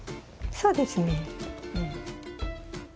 そうですね。